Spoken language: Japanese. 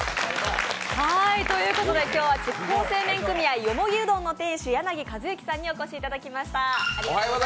今日は筑豊製麺組合、よもぎうどんの店主、柳和幸さんにお越しいただきました。